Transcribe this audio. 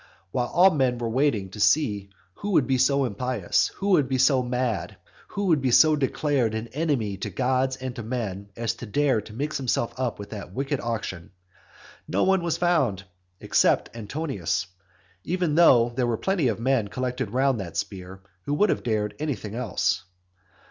While all men were waiting to see who would be so impious, who would be so mad, who would be so declared an enemy to gods and to men as to dare to mix himself up with that wicked auction, no one was found except Antonius, even though there were plenty of men collected round that spear who would have dared anything else.